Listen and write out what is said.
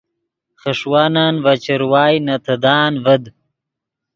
خݰوانن ڤے چروائے نے تیدان ڤد